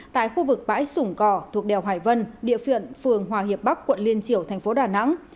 tại khu vực bãi sủng cò thuộc đèo hải vân địa phiện phường hoàng hiệp bắc quận liên triều thành phố đà nẵng